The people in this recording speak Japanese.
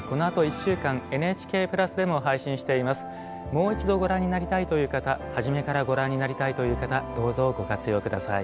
もう一度ご覧になりたいという方初めからご覧になりたいという方どうぞご活用下さい。